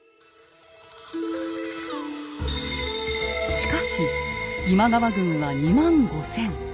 しかし今川軍は２万５，０００。